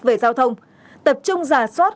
về giao thông tập trung giả soát